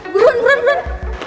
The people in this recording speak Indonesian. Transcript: berun berun berun